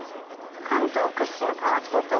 関東屈指のパワースポット